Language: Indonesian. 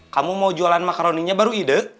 kamu mau jualan makaroninya baru ide